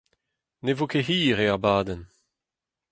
Ne vo ket hir e abadenn.